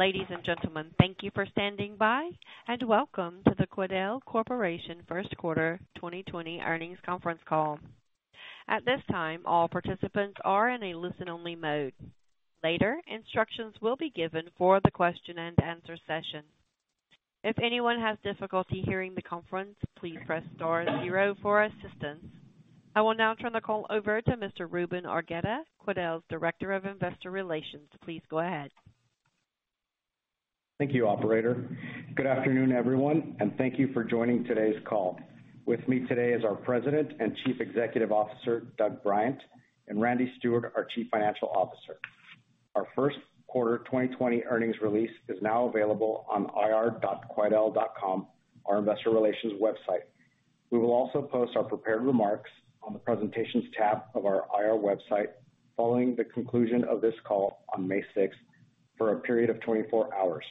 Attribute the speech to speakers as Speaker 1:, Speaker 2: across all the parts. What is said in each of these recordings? Speaker 1: Ladies and gentlemen, thank you for standing by, and welcome to the Quidel Corporation First Quarter 2020 Earnings Conference Call. At this time, all participants are in a listen-only mode. Later, instructions will be given for the question and answer session. If anyone has difficulty hearing the conference, please press star zero for assistance. I will now turn the call over to Mr. Ruben Argueta, Quidel's Director of Investor Relations. Please go ahead.
Speaker 2: Thank you, operator. Good afternoon, everyone, and thank you for joining today's call. With me today is our President and Chief Executive Officer, Doug Bryant, and Randy Steward, our Chief Financial Officer. Our first quarter 2020 earnings release is now available on ir.quidel.com, our investor relations website. We will also post our prepared remarks on the presentations tab of our IR website following the conclusion of this call on May 6th for a period of 24 hours.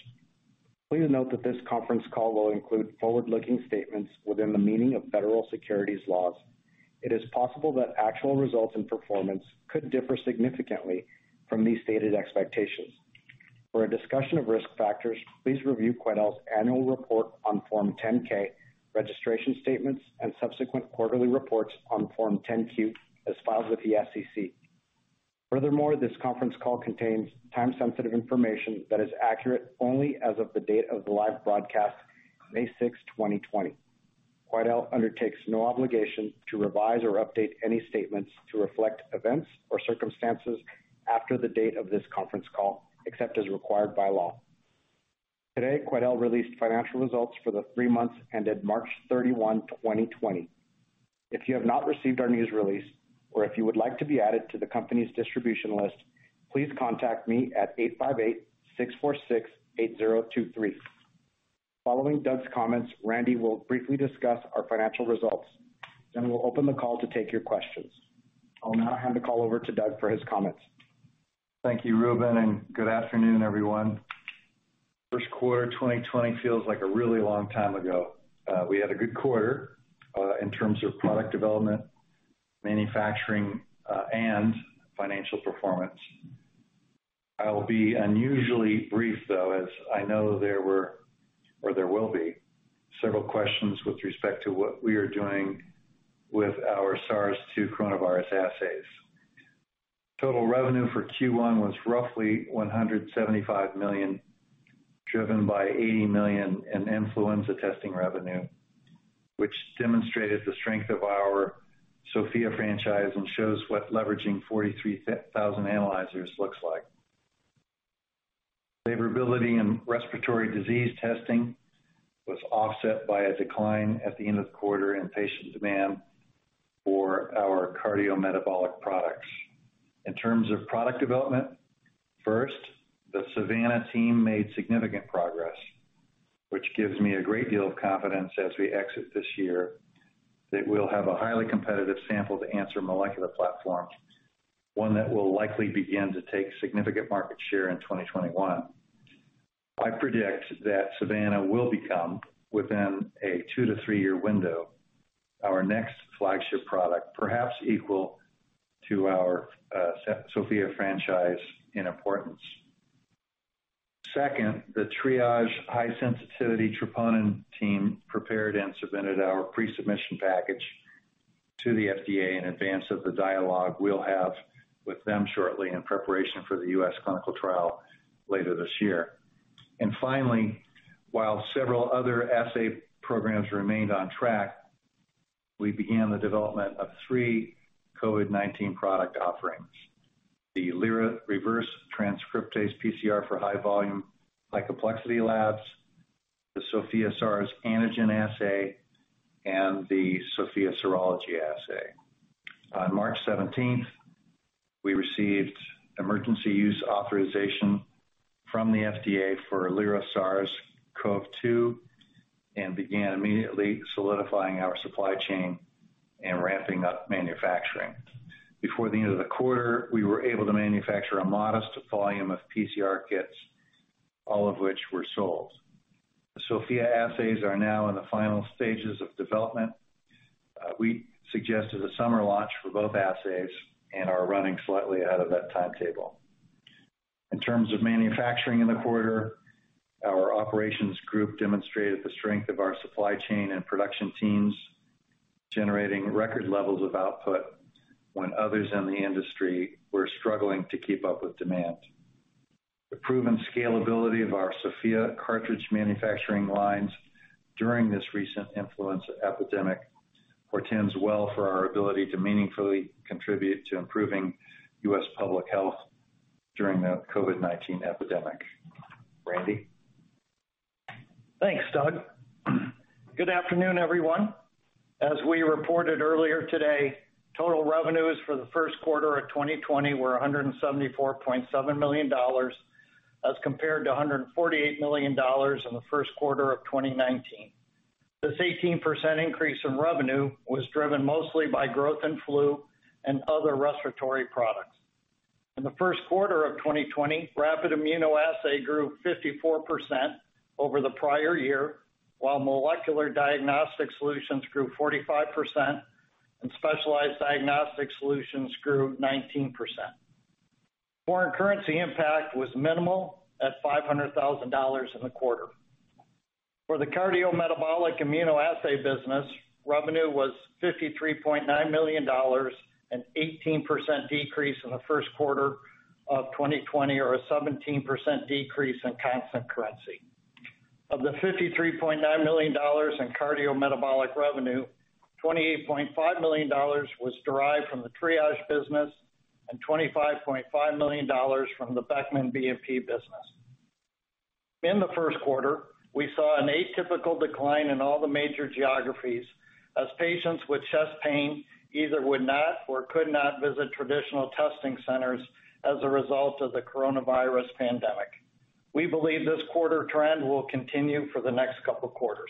Speaker 2: Please note that this conference call will include forward-looking statements within the meaning of federal securities laws. It is possible that actual results and performance could differ significantly from these stated expectations. For a discussion of risk factors, please review Quidel's annual report on Form 10-K, registration statements, and subsequent quarterly reports on Form 10-Q, as filed with the SEC. Furthermore, this conference call contains time-sensitive information that is accurate only as of the date of the live broadcast, May 6, 2020. Quidel undertakes no obligation to revise or update any statements to reflect events or circumstances after the date of this conference call, except as required by law. Today, Quidel released financial results for the three months ended March 31, 2020. If you have not received our news release, or if you would like to be added to the company's distribution list, please contact me at 858-646-8023. Following Doug's comments, Randy will briefly discuss our financial results. We'll open the call to take your questions. I'll now hand the call over to Doug for his comments.
Speaker 3: Thank you, Ruben, and good afternoon, everyone. First quarter 2020 feels like a really long time ago. We had a good quarter, in terms of product development, manufacturing, and financial performance. I will be unusually brief, though, as I know there were, or there will be, several questions with respect to what we are doing with our SARS 2 coronavirus assays. Total revenue for Q1 was roughly $175 million, driven by $80 million in influenza testing revenue, which demonstrated the strength of our Sofia franchise and shows what leveraging 43,000 analyzers looks like. Favorability in respiratory disease testing was offset by a decline at the end of the quarter in patient demand for our cardiometabolic products. In terms of product development, first, the Savanna team made significant progress, which gives me a great deal of confidence as we exit this year that we'll have a highly competitive sample to answer molecular platform, one that will likely begin to take significant market share in 2021. I predict that Savanna will become, within a two to three-year window, our next flagship product, perhaps equal to our Sofia franchise in importance. Second, the Triage high-sensitivity troponin team prepared and submitted our pre-submission package to the FDA in advance of the dialogue we'll have with them shortly in preparation for the U.S. clinical trial later this year. Finally, while several other assay programs remained on track, we began the development of three COVID-19 product offerings, the Lyra reverse transcriptase PCR for high volume by complexity labs, the Sofia SARS antigen assay, and the Sofia serology assay. On March 17th, we received Emergency Use Authorization from the FDA for Lyra SARS-CoV-2 and began immediately solidifying our supply chain and ramping up manufacturing. Before the end of the quarter, we were able to manufacture a modest volume of PCR kits, all of which were sold. The Sofia assays are now in the final stages of development. We suggested a summer launch for both assays and are running slightly ahead of that timetable. In terms of manufacturing in the quarter, our operations group demonstrated the strength of our supply chain and production teams, generating record levels of output when others in the industry were struggling to keep up with demand. The proven scalability of our Sofia cartridge manufacturing lines during this recent influenza epidemic portends well for our ability to meaningfully contribute to improving U.S. public health during the COVID-19 epidemic. Randy?
Speaker 4: Thanks, Doug. Good afternoon, everyone. As we reported earlier today, total revenues for the first quarter of 2020 were $174.7 million, as compared to $148 million in the first quarter of 2019. This 18% increase in revenue was driven mostly by growth in flu and other respiratory products. In the first quarter of 2020, rapid immunoassay grew 54% over the prior year, while Molecular Diagnostic Solutions grew 45% Specialized Diagnostic Solutions grew 19%. Foreign currency impact was minimal at $500,000 in the quarter. For the cardiometabolic immunoassay business, revenue was $53.9 million, an 18% decrease in the first quarter of 2020, or a 17% decrease in constant currency. Of the $53.9 million in cardiometabolic revenue, $28.5 million was derived from the Triage business and $25.5 million from the Beckman BNP business. In the first quarter, we saw an atypical decline in all the major geographies as patients with chest pain either would not or could not visit traditional testing centers as a result of the coronavirus pandemic. We believe this quarter trend will continue for the next couple of quarters.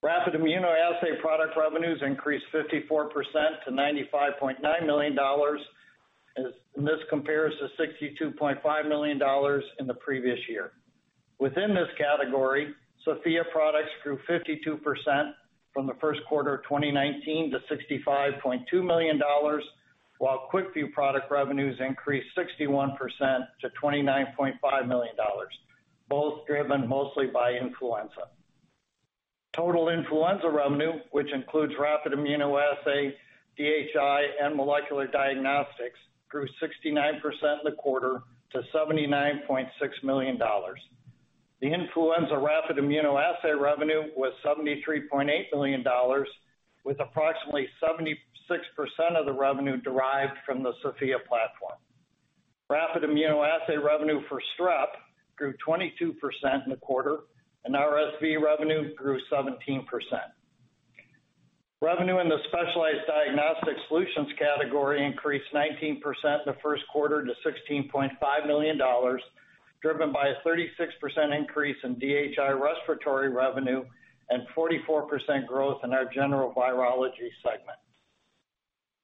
Speaker 4: Rapid immunoassay product revenues increased 54% to $95.9 million, and this compares to $62.5 million in the previous year. Within this category, Sofia products grew 52% from the first quarter of 2019 to $65.2 million, while QuickVue product revenues increased 61% to $29.5 million, both driven mostly by influenza. Total influenza revenue, which includes rapid immunoassay, DHI, and molecular diagnostics, grew 69% in the quarter to $79.6 million. The influenza rapid immunoassay revenue was $73.8 million, with approximately 76% of the revenue derived from the Sofia platform. Rapid immunoassay revenue for Strep grew 22% in the quarter, and RSV revenue grew 17%. Revenue in the Specialized Diagnostic Solutions category increased 19% in the first quarter to $16.5 million, driven by a 36% increase in DHI respiratory revenue and 44% growth in our general virology segment.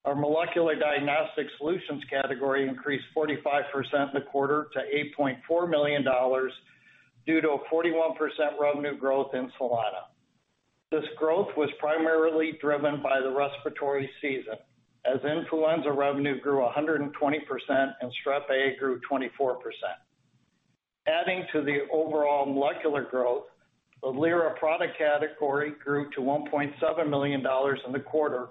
Speaker 4: Our Molecular Diagnostic Solutions category increased 45% in the quarter to $8.4 million due to a 41% revenue growth in Solana. This growth was primarily driven by the respiratory season, as influenza revenue grew 120% and Strep A grew 24%. Adding to the overall molecular growth, the Lyra product category grew to $1.7 million in the quarter,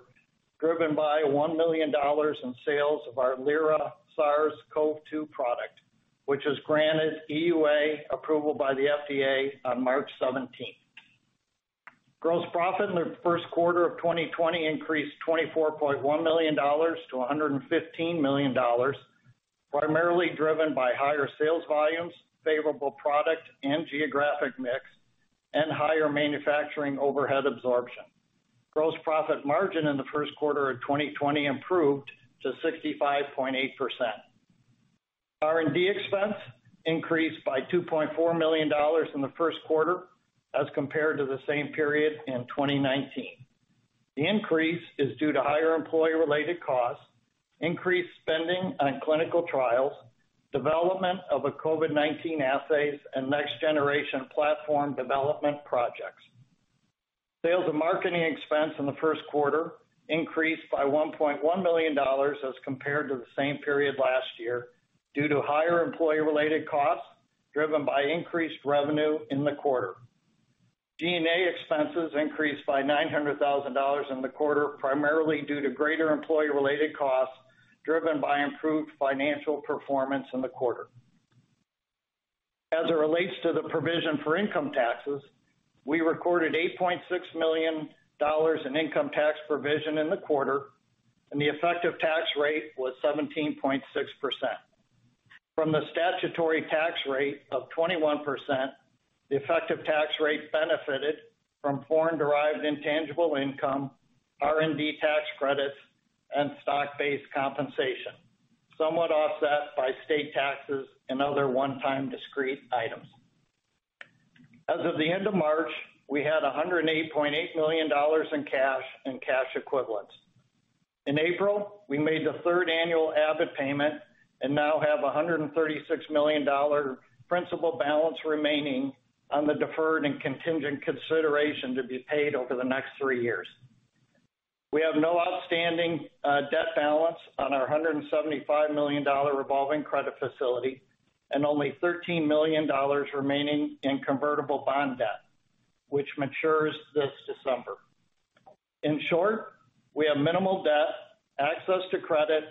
Speaker 4: driven by $1 million in sales of our Lyra SARS-CoV-2 product, which was granted EUA approval by the FDA on March 17th. Gross profit in the first quarter of 2020 increased $24.1 million to $115 million, primarily driven by higher sales volumes, favorable product and geographic mix, and higher manufacturing overhead absorption. Gross profit margin in the first quarter of 2020 improved to 65.8%. R&D expense increased by $2.4 million in the first quarter as compared to the same period in 2019. The increase is due to higher employee-related costs, increased spending on clinical trials, development of the COVID-19 assays, and next-generation platform development projects. Sales and marketing expense in the first quarter increased by $1.1 million as compared to the same period last year due to higher employee-related costs driven by increased revenue in the quarter. G&A expenses increased by $900,000 in the quarter, primarily due to greater employee-related costs driven by improved financial performance in the quarter. As it relates to the provision for income taxes, we recorded $8.6 million in income tax provision in the quarter, and the effective tax rate was 17.6%. From the statutory tax rate of 21%, the effective tax rate benefited from foreign-derived intangible income, R&D tax credits, and stock-based compensation, somewhat offset by state taxes and other one-time discrete items. As of the end of March, we had $108.8 million in cash and cash equivalents. In April, we made the third annual Abbott payment and now have $136 million principal balance remaining on the deferred and contingent consideration to be paid over the next three years. We have no outstanding debt balance on our $175 million revolving credit facility and only $13 million remaining in convertible bond debt, which matures this December. In short, we have minimal debt, access to credit,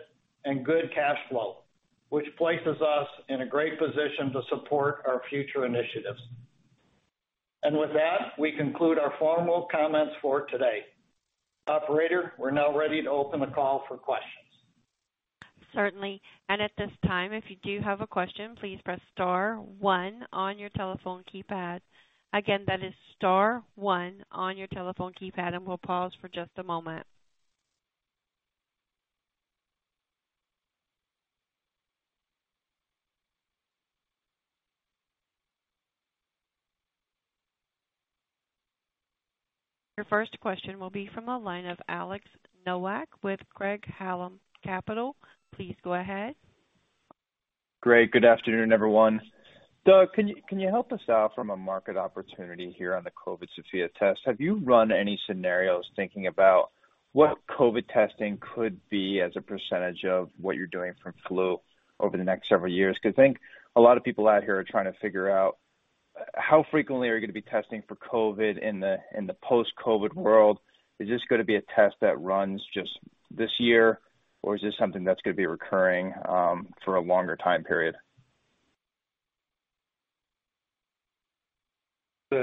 Speaker 4: and good cash flow, which places us in a great position to support our future initiatives. With that, we conclude our formal comments for today. Operator, we're now ready to open the call for questions.
Speaker 1: Certainly. At this time, if you do have a question, please press star one on your telephone keypad. Again, that is star one on your telephone keypad. We'll pause for just a moment. Your first question will be from the line of Alex Nowak with Craig-Hallum Capital. Please go ahead
Speaker 5: Great. Good afternoon, everyone. Doug, can you help us out from a market opportunity here on the COVID Sofia test? Have you run any scenarios thinking about what COVID testing could be as a percentage of what you're doing for flu over the next several years? I think a lot of people out here are trying to figure out how frequently are you going to be testing for COVID in the post-COVID world. Is this going to be a test that runs just this year, or is this something that's going to be recurring for a longer time period?
Speaker 3: It's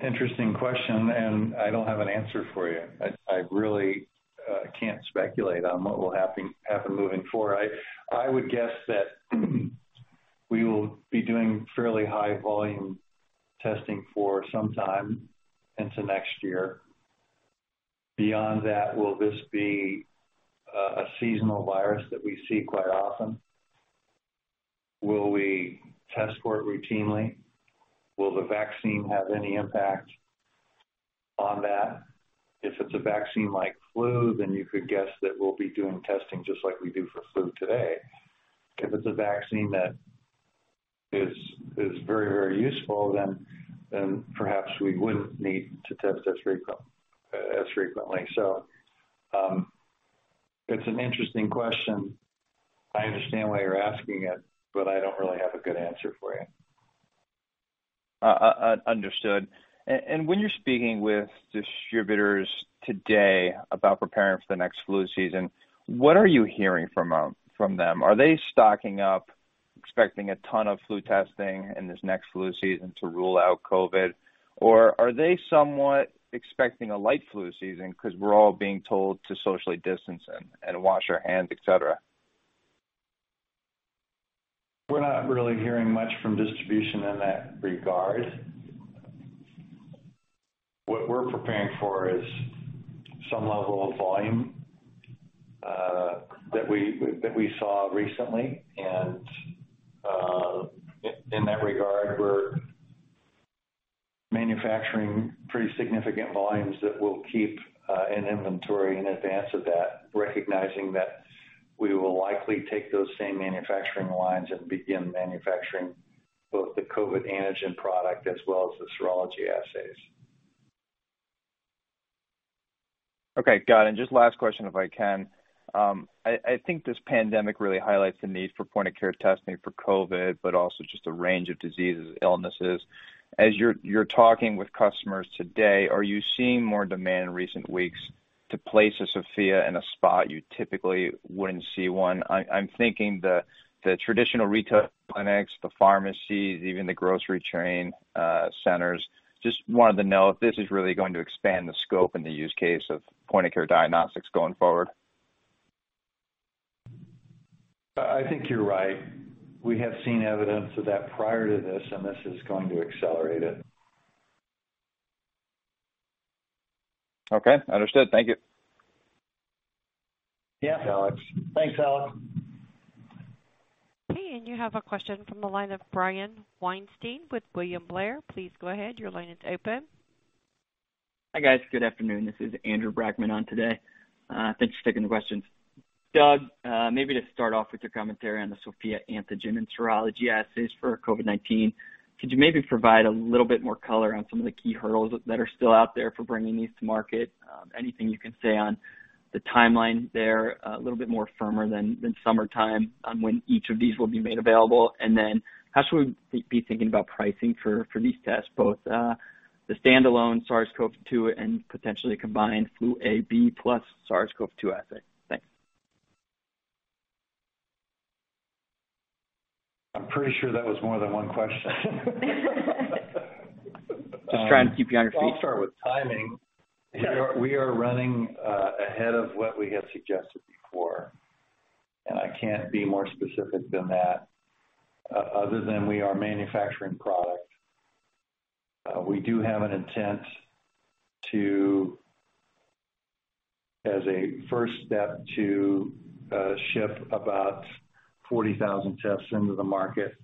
Speaker 3: an interesting question. I don't have an answer for you. I really can't speculate on what will happen moving forward. I would guess that we will be doing fairly high volume testing for some time into next year. Beyond that, will this be a seasonal virus that we see quite often? Will we test for it routinely? Will the vaccine have any impact on that? If it's a vaccine-like flu, you could guess that we'll be doing testing just like we do for flu today. If it's a vaccine that is very useful, perhaps we wouldn't need to test as frequently. It's an interesting question. I understand why you're asking it. I don't really have a good answer for you.
Speaker 5: Understood. When you're speaking with distributors today about preparing for the next flu season, what are you hearing from them? Are they stocking up, expecting a ton of flu testing in this next flu season to rule out COVID? Or are they somewhat expecting a light flu season because we're all being told to socially distance and wash our hands, et cetera?
Speaker 3: We're not really hearing much from distribution in that regard. What we're preparing for is some level of volume that we saw recently, and in that regard, we're manufacturing pretty significant volumes that we'll keep in inventory in advance of that, recognizing that we will likely take those same manufacturing lines and begin manufacturing both the COVID antigen product as well as the serology assays.
Speaker 5: Okay, got it. Just last question, if I can. I think this pandemic really highlights the need for point-of-care testing for COVID, but also just a range of diseases, illnesses. As you're talking with customers today, are you seeing more demand in recent weeks to place a Sofia in a spot you typically wouldn't see one? I'm thinking the traditional retail clinics, the pharmacies, even the grocery chain centers. Just wanted to know if this is really going to expand the scope and the use case of point-of-care diagnostics going forward.
Speaker 3: I think you're right. We have seen evidence of that prior to this. This is going to accelerate it.
Speaker 5: Okay, understood. Thank you.
Speaker 4: Yeah.
Speaker 3: Thanks, Alex.
Speaker 4: Thanks, Alex.
Speaker 1: Okay, you have a question from the line of Brian Weinstein with William Blair. Please go ahead. Your line is open.
Speaker 6: Hi, guys. Good afternoon. This is Andrew Brackmann on today. Thanks for taking the questions. Doug, maybe to start off with your commentary on the Sofia antigen and serology assays for COVID-19, could you maybe provide a little bit more color on some of the key hurdles that are still out there for bringing these to market? Anything you can say on the timeline there, a little bit more firmer than summertime on when each of these will be made available. How should we be thinking about pricing for these tests, both the standalone SARS-CoV-2 and potentially combined flu A, B plus SARS-CoV-2 assay? Thanks.
Speaker 3: I'm pretty sure that was more than one question.
Speaker 6: Just trying to keep you on your feet.
Speaker 3: I'll start with timing.
Speaker 6: Yeah.
Speaker 3: We are running ahead of what we had suggested before, and I can't be more specific than that other than we are manufacturing product. We do have an intent to, as a first step to ship about 40,000 tests into the market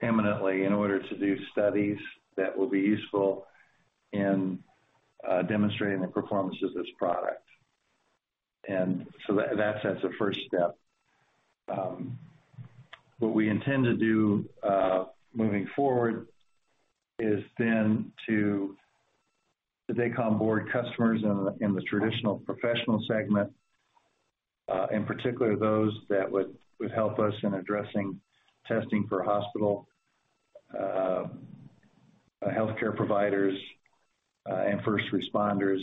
Speaker 3: imminently in order to do studies that will be useful in demonstrating the performance of this product. That sets a first step. What we intend to do moving forward is then to take on board customers in the traditional professional segment, in particular those that would help us in addressing testing for hospital healthcare providers and first responders.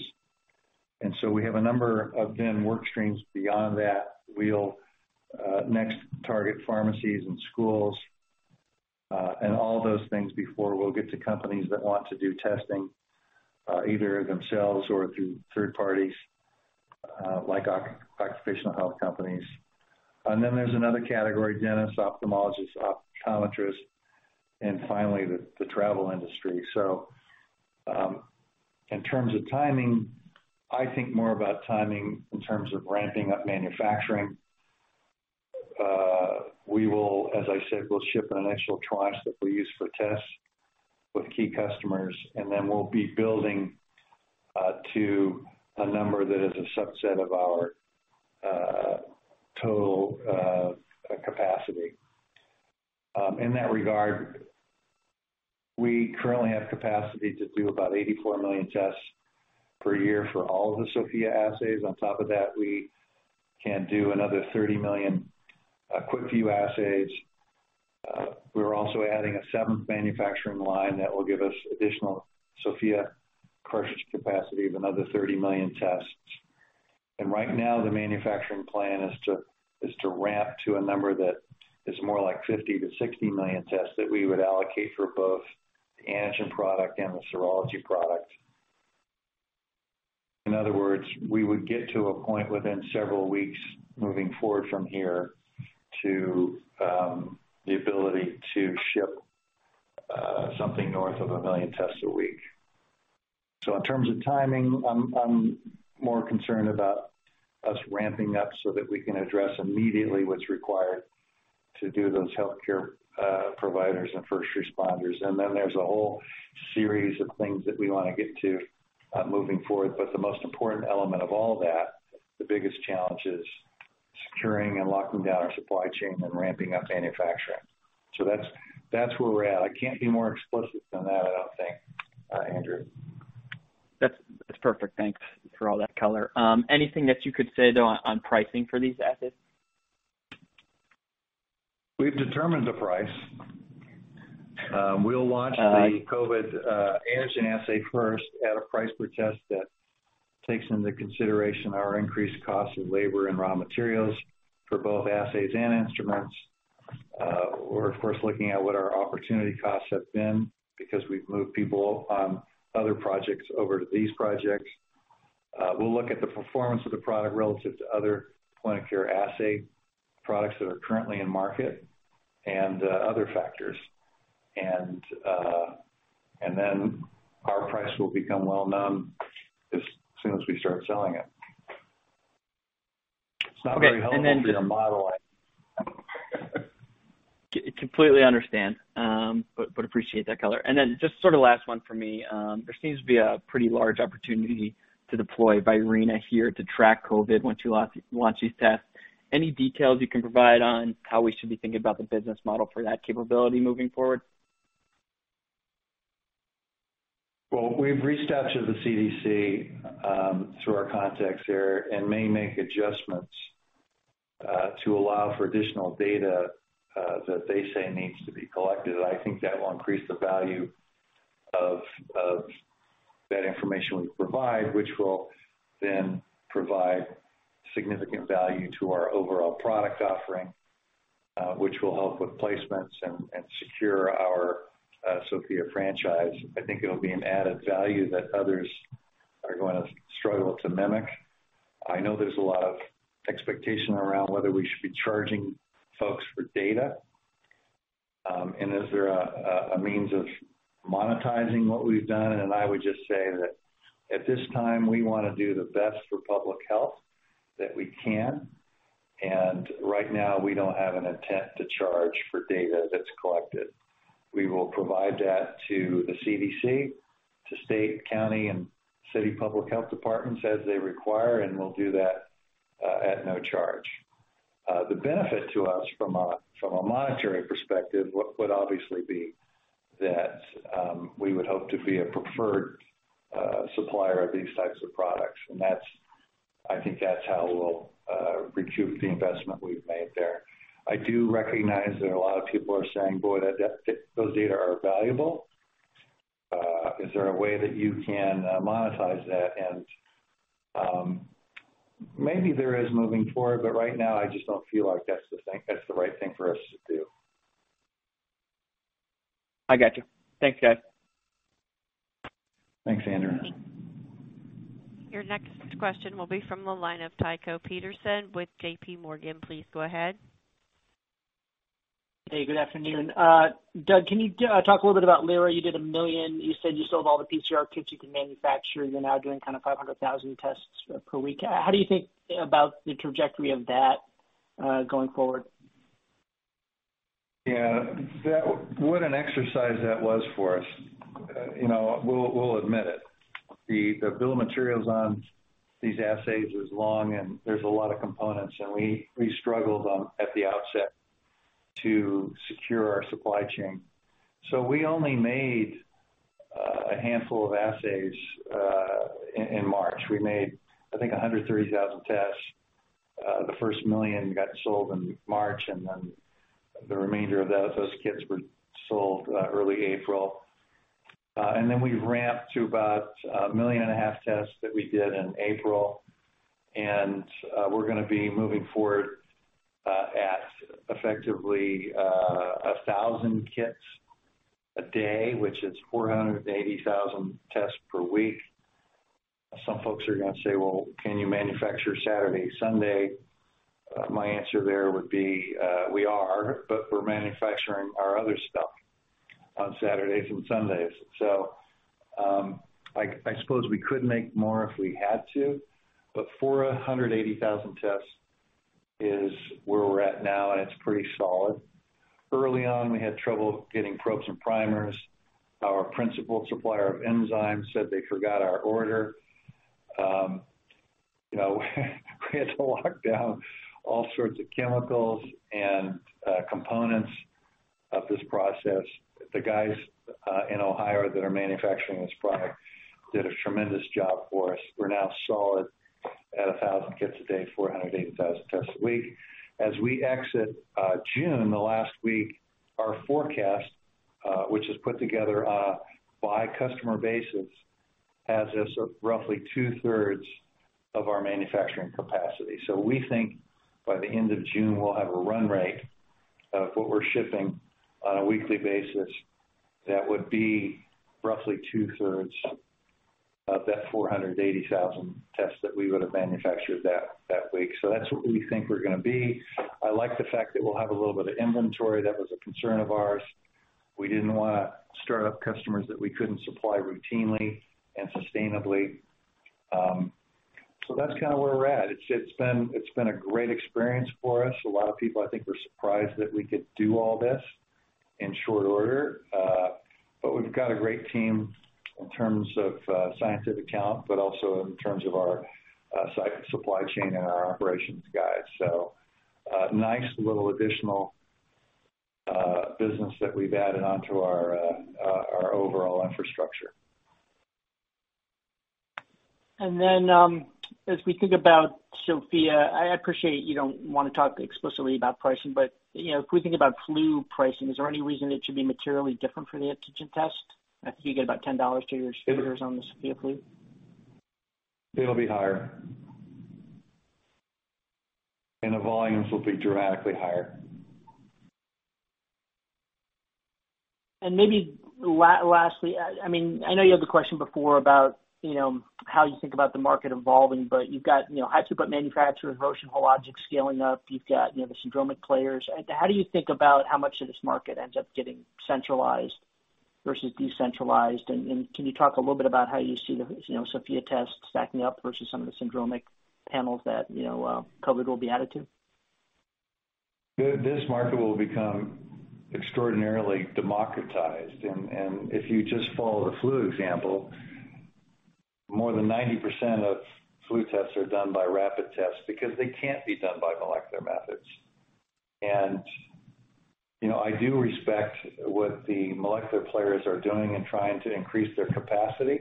Speaker 3: We have a number of then work streams beyond that. We'll next target pharmacies and schools, and all those things before we'll get to companies that want to do testing, either themselves or through third parties like occupational health companies. There's another category, dentists, ophthalmologists, optometrists, and finally the travel industry. In terms of timing, I think more about timing in terms of ramping up manufacturing. We will, as I said, we'll ship an initial tranche that we use for tests with key customers, and then we'll be building to a number that is a subset of our total capacity. In that regard, we currently have capacity to do about 84 million tests per year for all of the Sofia assays. On top of that, we can do another 30 million QuickVue assays. We're also adding a seventh manufacturing line that will give us additional Sofia cartridge capacity of another 30 million tests. Right now, the manufacturing plan is to ramp to a number that is more like 50 million-60 million tests that we would allocate for both the antigen product and the serology product. In other words, we would get to a point within several weeks moving forward from here to the ability to ship something north of a million tests a week. In terms of timing, I'm more concerned about us ramping up so that we can address immediately what's required to do those healthcare providers and first responders. Then there's a whole series of things that we want to get to moving forward. The most important element of all that, the biggest challenge, is securing and locking down our supply chain and ramping up manufacturing. That's where we're at. I can't be more explicit than that, I don't think, Andrew.
Speaker 6: That's perfect. Thanks for all that color. Anything that you could say, though, on pricing for these assays?
Speaker 3: We've determined the price. We'll launch the COVID antigen assay first at a price per test that takes into consideration our increased cost of labor and raw materials for both assays and instruments. We're, of course, looking at what our opportunity costs have been because we've moved people on other projects over to these projects. We'll look at the performance of the product relative to other point-of-care assay products that are currently in market and other factors. Our price will become well-known as soon as we start selling it. It's not very helpful for your modeling.
Speaker 6: Completely understand, but appreciate that color. Just sort of last one for me. There seems to be a pretty large opportunity to deploy Virena here to track COVID-19 once you launch these tests. Any details you can provide on how we should be thinking about the business model for that capability moving forward?
Speaker 3: Well, we've reached out to the CDC through our contacts there and may make adjustments to allow for additional data that they say needs to be collected. I think that will increase the value of that information we provide, which will then provide significant value to our overall product offering, which will help with placements and secure our Sofia franchise. I think it'll be an added value that others are going to struggle to mimic. I know there's a lot of expectation around whether we should be charging folks for data, and is there a means of monetizing what we've done. I would just say that at this time, we want to do the best for public health that we can. Right now, we don't have an intent to charge for data that's collected. We will provide that to the CDC, to state, county, and city public health departments as they require. We'll do that at no charge. The benefit to us from a monetary perspective would obviously be that we would hope to be a preferred supplier of these types of products. I think that's how we'll recoup the investment we've made there. I do recognize that a lot of people are saying, "Boy, those data are valuable. Is there a way that you can monetize that?" Maybe there is moving forward, but right now, I just don't feel like that's the right thing for us to do.
Speaker 6: I got you. Thanks, Doug.
Speaker 3: Thanks, Andrew.
Speaker 1: Your next question will be from the line of Tycho Peterson with JPMorgan. Please go ahead.
Speaker 7: Hey, good afternoon. Doug, can you talk a little bit about Lyra? You did a million. You said you sold all the PCR kits you can manufacture. You're now doing kind of 500,000 tests per week. How do you think about the trajectory of that going forward?
Speaker 3: Yeah. What an exercise that was for us. We'll admit it. The bill of materials on these assays is long, and there's a lot of components, and we struggled at the outset to secure our supply chain. We only made a handful of assays in March. We made, I think, 130,000 tests. The first million got sold in March, the remainder of those kits were sold early April. We ramped to about 1.5 million tests that we did in April. We're going to be moving forward at effectively 1,000 kits a day, which is 480,000 tests per week. Some folks are going to say, "Well, can you manufacture Saturday, Sunday?" My answer there would be we are, but we're manufacturing our other stuff on Saturdays and Sundays. I suppose we could make more if we had to. 480,000 tests is where we're at now, and it's pretty solid. Early on, we had trouble getting probes and primers. Our principal supplier of enzymes said they forgot our order. We had to lock down all sorts of chemicals and components of this process. The guys in Ohio that are manufacturing this product did a tremendous job for us. We're now solid at 1,000 kits a day, 480,000 tests a week. As we exit June, the last week, our forecast, which is put together by customer basis, has us at roughly two-thirds of our manufacturing capacity. We think by the end of June, we'll have a run rate of what we're shipping on a weekly basis that would be roughly two-thirds of that 480,000 tests that we would have manufactured that week. That's what we think we're going to be. I like the fact that we'll have a little bit of inventory. That was a concern of ours. We didn't want to start up customers that we couldn't supply routinely and sustainably. That's kind of where we're at. It's been a great experience for us. A lot of people, I think, were surprised that we could do all this in short order. We've got a great team in terms of scientific talent, but also in terms of our supply chain and our operations guys. A nice little additional business that we've added onto our overall infrastructure.
Speaker 7: As we think about Sofia, I appreciate you don't want to talk explicitly about pricing, but if we think about flu pricing, is there any reason it should be materially different for the antigen test? I think you get about $10 to your distributors on the Sofia flu.
Speaker 3: It'll be higher. The volumes will be dramatically higher.
Speaker 7: Maybe lastly, I know you had the question before about how you think about the market evolving, but you've got high throughput manufacturers, Roche and Hologic scaling up, you've got the syndromic players. How do you think about how much of this market ends up getting centralized versus decentralized? Can you talk a little bit about how you see the Sofia test stacking up versus some of the syndromic panels that COVID will be added to?
Speaker 3: This market will become extraordinarily democratized. If you just follow the flu example, more than 90% of flu tests are done by rapid tests because they can't be done by molecular methods. I do respect what the molecular players are doing in trying to increase their capacity.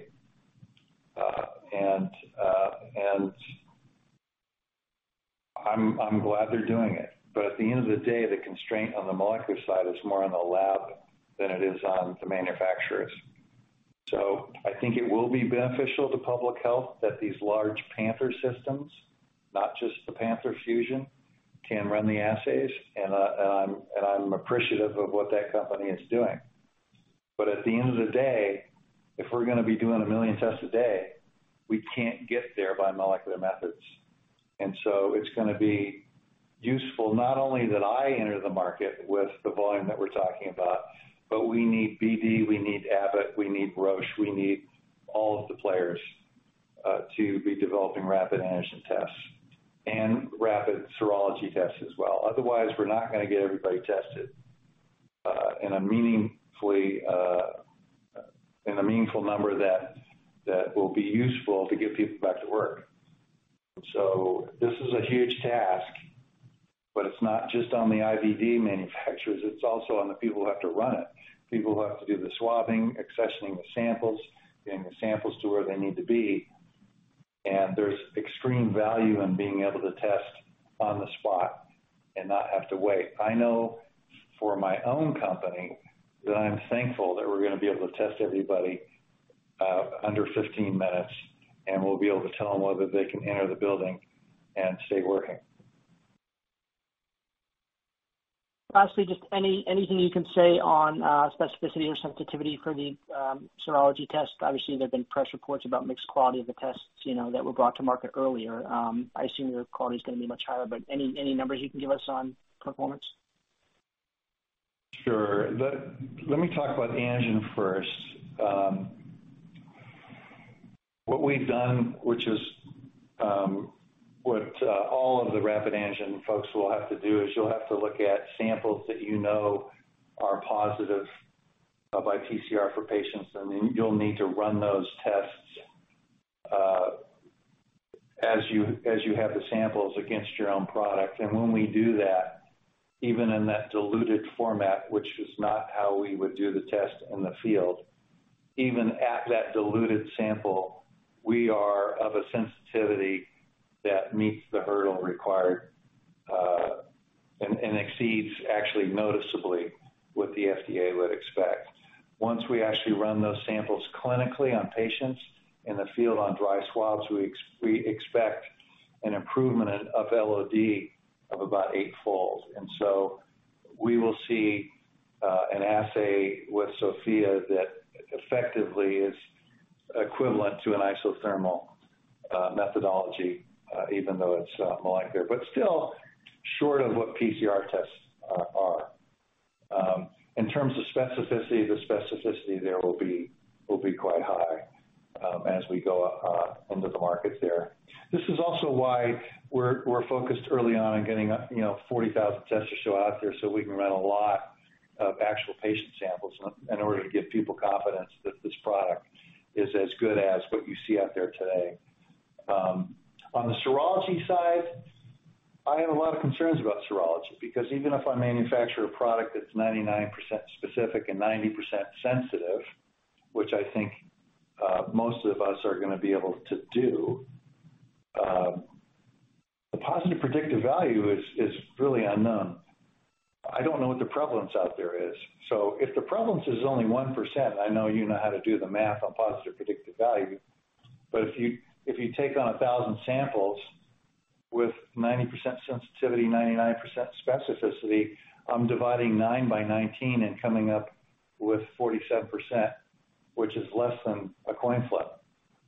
Speaker 3: I'm glad they're doing it. At the end of the day, the constraint on the molecular side is more on the lab than it is on the manufacturers. I think it will be beneficial to public health that these large Panther systems, not just the Panther Fusion, can run the assays, and I'm appreciative of what that company is doing. At the end of the day, if we're going to be doing a million tests a day, we can't get there by molecular methods. It's going to be useful not only that I enter the market with the volume that we're talking about, but we need BD, we need Abbott, we need Roche, we need all of the players to be developing rapid antigen tests and rapid serology tests as well. Otherwise, we're not going to get everybody tested in a meaningful number that will be useful to get people back to work. This is a huge task, but it's not just on the IVD manufacturers, it's also on the people who have to run it, people who have to do the swabbing, accessioning the samples, getting the samples to where they need to be. There's extreme value in being able to test on the spot and not have to wait. I know for my own company that I'm thankful that we're going to be able to test everybody under 15 minutes, and we'll be able to tell them whether they can enter the building and stay working.
Speaker 7: Lastly, just anything you can say on specificity or sensitivity for the serology test? Obviously, there have been press reports about mixed quality of the tests that were brought to market earlier. I assume your quality is going to be much higher, but any numbers you can give us on performance?
Speaker 3: Sure. Let me talk about antigen first. What we've done, which is what all of the rapid antigen folks will have to do, is you'll have to look at samples that you know are positive by PCR for patients, and you'll need to run those tests as you have the samples against your own product. When we do that, even in that diluted format, which is not how we would do the test in the field, even at that diluted sample, we are of a sensitivity that meets the hurdle required, and exceeds actually noticeably what the FDA would expect. Once we actually run those samples clinically on patients in the field on dry swabs, we expect an improvement of LOD of about eightfold. We will see an assay with Sofia that effectively is equivalent to an isothermal methodology, even though it's molecular. Still short of what PCR tests are. In terms of specificity, the specificity there will be quite high as we go into the markets there. This is also why we're focused early on in getting 40,000 tests to show out there so we can run a lot of actual patient samples in order to give people confidence that this product is as good as what you see out there today. On the serology side, I have a lot of concerns about serology, because even if I manufacture a product that's 99% specific and 90% sensitive, which I think most of us are going to be able to do, the positive predictive value is really unknown. I don't know what the prevalence out there is. If the prevalence is only 1%, I know you know how to do the math on positive predictive value, but if you take on 1,000 samples with 90% sensitivity, 99% specificity, I'm dividing nine by 19 and coming up with 47%, which is less than a coin flip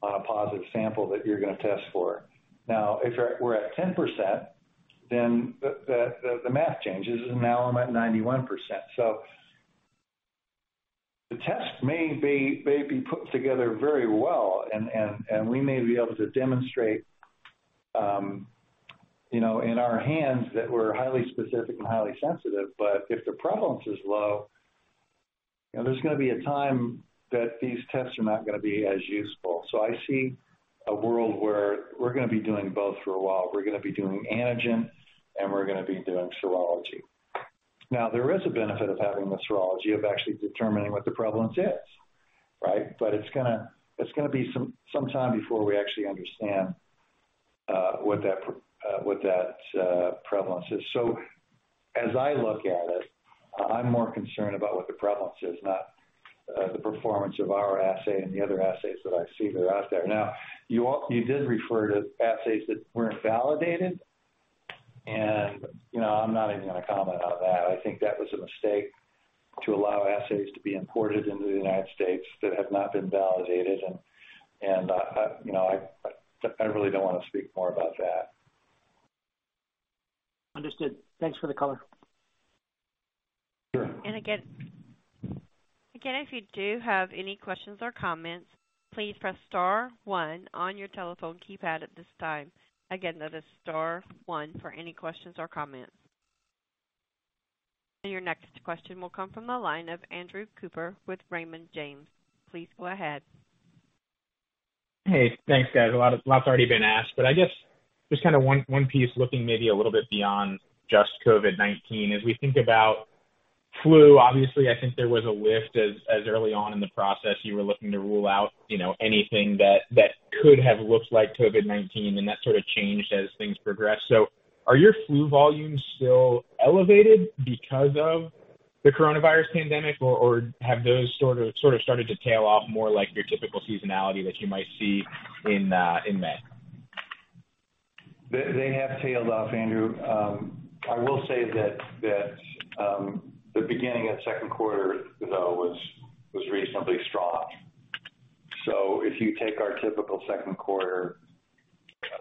Speaker 3: on a positive sample that you're going to test for. If we're at 10%, the math changes, and now I'm at 91%. The test may be put together very well, and we may be able to demonstrate in our hands that we're highly specific and highly sensitive, but if the prevalence is low, there's going to be a time that these tests are not going to be as useful. I see a world where we're going to be doing both for a while. We're going to be doing antigen and we're going to be doing serology. There is a benefit of having the serology, of actually determining what the prevalence is, right? It's going to be some time before we actually understand what that prevalence is. As I look at it, I'm more concerned about what the prevalence is, not the performance of our assay and the other assays that I see that are out there. You did refer to assays that weren't validated, and I'm not even going to comment on that. I think that was a mistake to allow assays to be imported into the United States that have not been validated, and I really don't want to speak more about that.
Speaker 7: Understood. Thanks for the color.
Speaker 3: Sure.
Speaker 1: Again, if you do have any questions or comments, please press star one on your telephone keypad at this time. Again, that is star one for any questions or comments. Your next question will come from the line of Andrew Cooper with Raymond James. Please go ahead.
Speaker 8: Hey, thanks, guys. A lot's already been asked. I guess just one piece looking maybe a little bit beyond just COVID-19. As we think about flu, obviously, I think there was a lift as early on in the process, you were looking to rule out anything that could have looked like COVID-19, and that sort of changed as things progressed. Are your flu volumes still elevated because of the coronavirus pandemic, or have those sort of started to tail off more like your typical seasonality that you might see in May?
Speaker 3: They have tailed off, Andrew. I will say that the beginning of second quarter, though, was reasonably strong. If you take our typical second quarter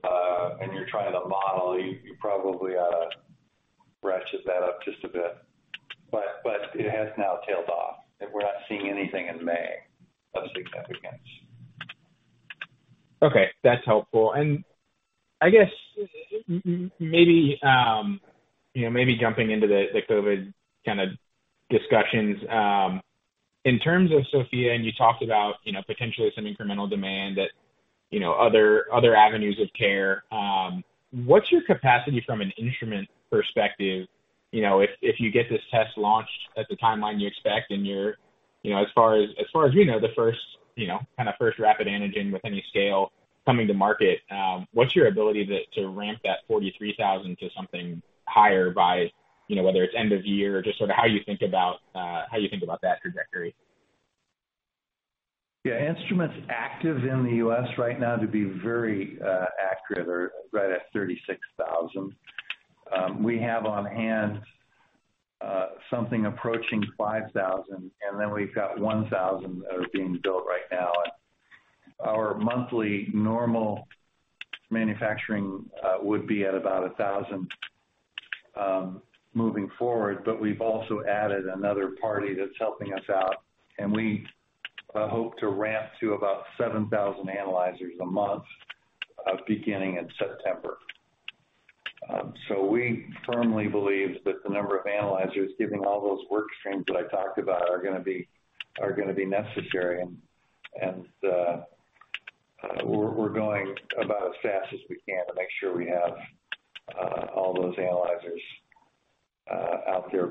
Speaker 3: and you're trying to model, you probably ought to ratchet that up just a bit. It has now tailed off, and we're not seeing anything in May of significance.
Speaker 8: Okay, that's helpful. I guess maybe jumping into the COVID kind of discussions, in terms of Sofia, and you talked about potentially some incremental demand that other avenues of care, what's your capacity from an instrument perspective if you get this test launched at the timeline you expect and you're, as far as we know, the first kind of first rapid antigen with any scale coming to market, what's your ability to ramp that 43,000 to something higher by, whether it's end of year or just sort of how you think about that trajectory?
Speaker 3: Yeah, instruments active in the U.S. right now, to be very accurate, are right at 36,000. We have on hand something approaching 5,000, and then we've got 1,000 that are being built right now. Our monthly normal manufacturing would be at about 1,000 moving forward, but we've also added another party that's helping us out, and we hope to ramp to about 7,000 analyzers a month beginning in September. We firmly believe that the number of analyzers, given all those work streams that I talked about, are going to be necessary, and we're going about as fast as we can to make sure we have all those analyzers out there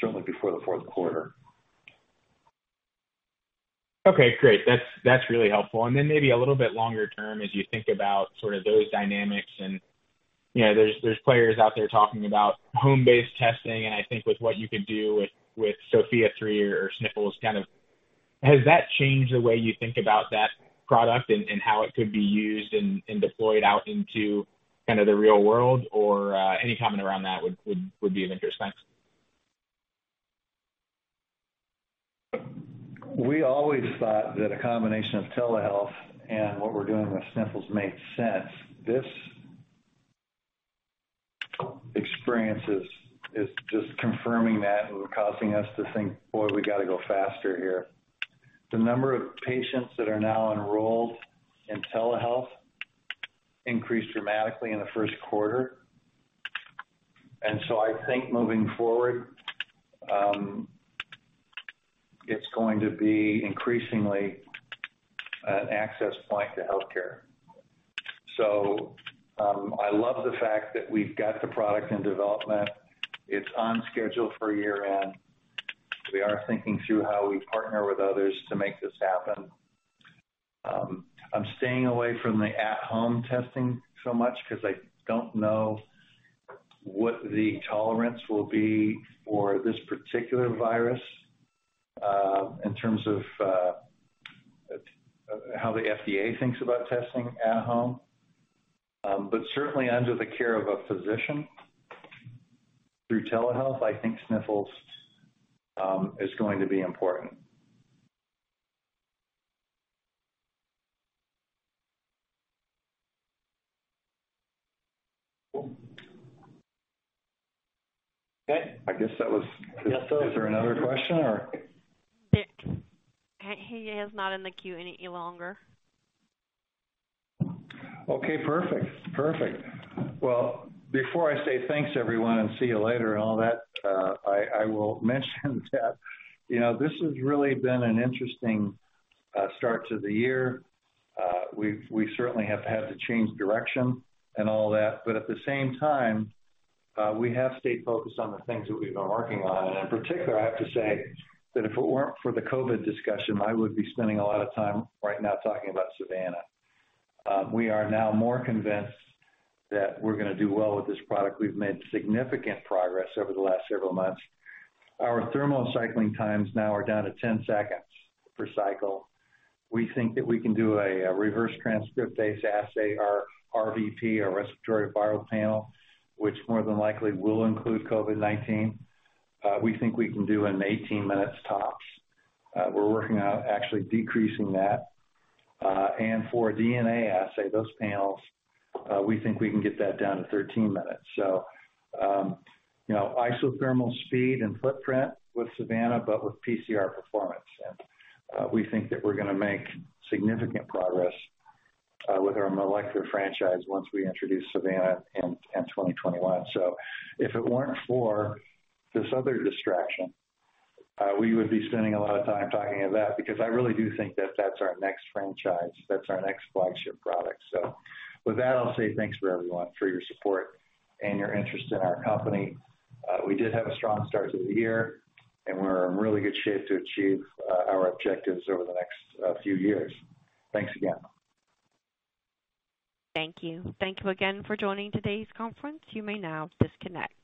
Speaker 3: certainly before the fourth quarter.
Speaker 8: Okay, great. That's really helpful. Maybe a little bit longer term as you think about those dynamics and there's players out there talking about home-based testing and I think with what you could do with Sofia 2 or Sniffles, has that changed the way you think about that product and how it could be used and deployed out into kind of the real world? Or any comment around that would be of interest, thanks.
Speaker 3: We always thought that a combination of telehealth and what we're doing with Sniffles made sense. This experience is just confirming that and causing us to think, "Boy, we got to go faster here." The number of patients that are now enrolled in telehealth increased dramatically in the first quarter. I think moving forward, it's going to be increasingly an access point to healthcare. I love the fact that we've got the product in development. It's on schedule for year-end. We are thinking through how we partner with others to make this happen. I'm staying away from the at-home testing so much because I don't know what the tolerance will be for this particular virus, in terms of how the FDA thinks about testing at home. Certainly under the care of a physician through telehealth, I think Sniffles is going to be important.
Speaker 8: Cool.
Speaker 3: Okay.
Speaker 8: Yes, so-
Speaker 3: Is there another question or?
Speaker 1: Doug. He is not in the queue any longer.
Speaker 3: Okay, perfect. Perfect. Before I say thanks, everyone, and see you later and all that, I will mention that this has really been an interesting start to the year. We certainly have had to change direction and all that, but at the same time, we have stayed focused on the things that we've been working on. In particular, I have to say that if it weren't for the COVID discussion, I would be spending a lot of time right now talking about Savanna. We are now more convinced that we're going to do well with this product. We've made significant progress over the last several months. Our thermal cycling times now are down to 10 seconds per cycle. We think that we can do a reverse transcriptase assay, our RVP, our respiratory viral panel, which more than likely will include COVID-19. We think we can do it in 18 minutes tops. We're working on actually decreasing that. For DNA assay, those panels, we think we can get that down to 13 minutes. Isothermal speed and footprint with Savanna, but with PCR performance. We think that we're going to make significant progress with our molecular franchise once we introduce Savanna in 2021. If it weren't for this other distraction, we would be spending a lot of time talking of that because I really do think that that's our next franchise, that's our next flagship product. With that, I'll say thanks for everyone for your support and your interest in our company. We did have a strong start to the year, and we're in really good shape to achieve our objectives over the next few years. Thanks again.
Speaker 1: Thank you. Thank you again for joining today's conference. You may now disconnect.